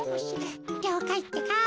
りょうかいってか。